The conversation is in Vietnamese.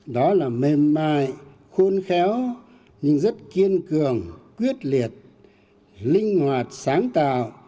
đó là mềm mại khôn khéo nhưng rất kiên cường quyết liệt linh hoạt sáng tạo